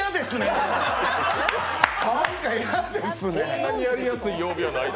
こんなにやりやすい曜日はない。